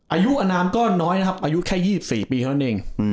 อายุอนามก็น้อยนะครับอายุแค่๒๔ปีเท่านั้นเอง